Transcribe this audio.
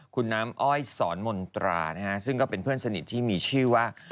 คุณน้ำอ้อยสอนมนตรานะฮะซึ่งก็เป็นเพื่อนสนิทที่มีชื่อว่า